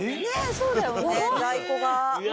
そうだよね、在庫が。